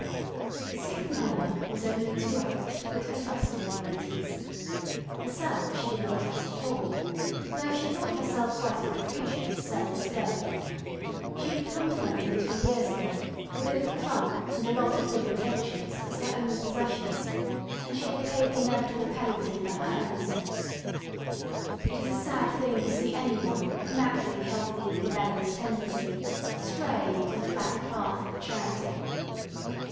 The sixth member was only too apt to put her trust in committees. Herself she did not trust at all, though she thought herself quite a good creature, as selves go. She had come to London two years ago, with a little trunk and a lot of good intentions as her only possessions, and she had paid the inevitable penalty for her earnestness. It is a sad thing to see any one of naturally healthy and rebellious tendency stray into the flat path of Charity.